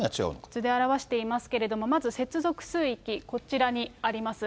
図で表していますけれども、まず接続水域、こちらにあります。